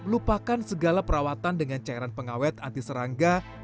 lupakan segala perawatan dengan cairan pengawet anti serangga